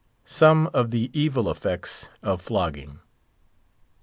SOME OF THE EVIL EFFECTS OF FLOGGING.